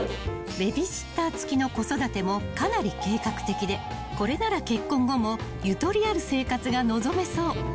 ［ベビーシッター付きの子育てもかなり計画的でこれなら結婚後もゆとりある生活が望めそう］